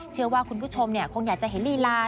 เชื่อว่าคุณผู้ชมคงอยากจะเห็นลีลา